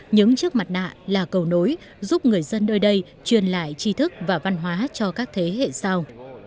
những chiếc mặt nạ là cầu nối giúp người dân nơi đây truyền lại chi thức và văn hóa cho các thế hệ sau